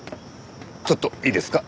ちょっといいですか？